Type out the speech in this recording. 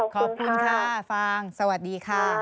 ขอบคุณค่ะฟางสวัสดีค่ะ